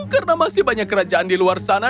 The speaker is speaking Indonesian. karena masih banyak kerajaan di luar sana